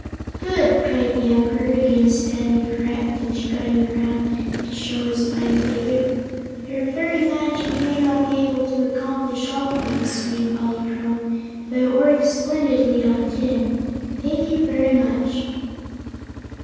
"Good!" cried the Emperor, again standing erect and strutting around to show his fine figure. "Your fairy magic may not be able to accomplish all things, sweet Polychrome, but it works splendidly on tin. Thank you very much."